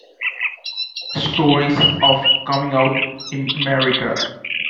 Stories of Coming Out in America.